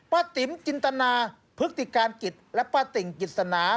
ติ๋มจินตนาพฤติการกิจและป้าติ่งกิจสนา